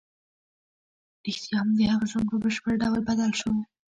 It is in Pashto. رښتیا هم د هغه ژوند په بشپړ ډول بدل شو